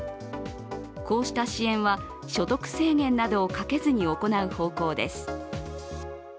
こうした支援は所得制限などをかけずに行う方向です。